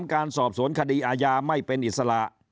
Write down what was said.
การสอบสวนคดีอาญาไม่เป็นอิสระ